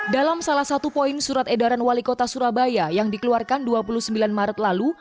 dalam salah satu poin surat edaran wali kota surabaya yang dikeluarkan dua puluh sembilan maret lalu